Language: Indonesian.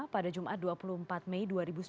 pada jumat dua puluh empat mei dua ribu sembilan belas